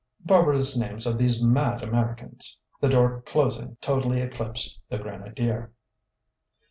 "Barbarous names of these mad Americans!" The door, closing, totally eclipsed the grenadier.